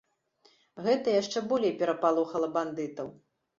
Гэта яшчэ болей перапалохала бандытаў.